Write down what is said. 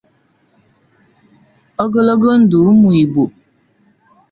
Ogologo ndụ ụmụ Igbo!!